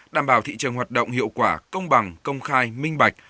đảm bảo thị trường hoạt động hiệu quả công bằng công khai minh bạch